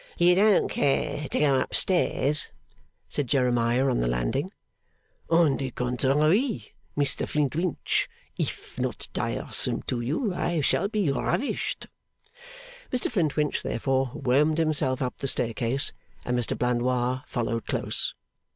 'You don't care to go up stairs?' said Jeremiah, on the landing. 'On the contrary, Mr Flintwinch; if not tiresome to you, I shall be ravished!' Mr Flintwinch, therefore, wormed himself up the staircase, and Mr Blandois followed close.